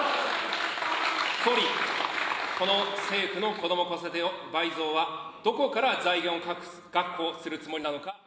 総理、この政府のこども・子育て倍増は、どこから財源を確保するつもりなのか。